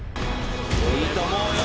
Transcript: いいと思うよ！